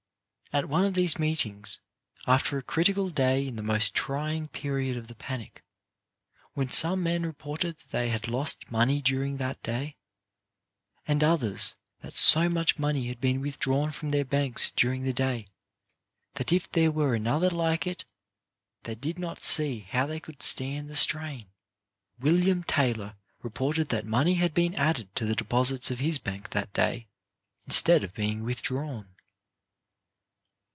At one of these meetings, after a critical day in the most trying period of the panic, when some men reported that they had lost money during that day, and others that so much money had been withdrawn from their banks during the day that if there were another like it they did not see how they could stand the strain, William Taylor reported that money had been added to the deposits of his bank that day instead of being withdrawn.